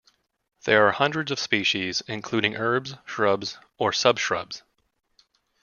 There are hundreds of species, including herbs, shrubs or subshrubs.